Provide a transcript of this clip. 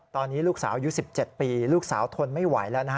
ตอนนี้ลูกสาวอายุ๑๗ปีลูกสาวทนไม่ไหวแล้วนะฮะ